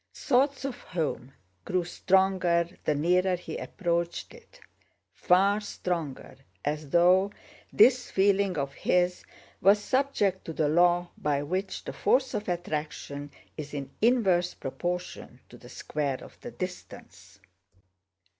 Thoughts of home grew stronger the nearer he approached it—far stronger, as though this feeling of his was subject to the law by which the force of attraction is in inverse proportion to the square of the distance.